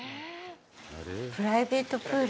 プライベートプール。